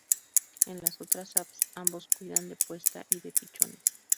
En las otras spp., ambos cuidan de puesta y de pichones.